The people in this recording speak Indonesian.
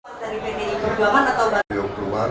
dari pt perjuangan atau bantuan